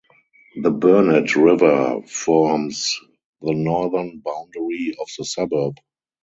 The Burnett River forms the northern boundary of the suburb.